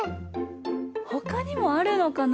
ほかにもあるのかな？